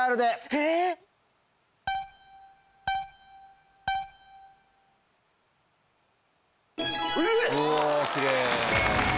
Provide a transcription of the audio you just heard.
えぇ！おキレイ。